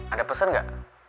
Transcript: ada pesen gak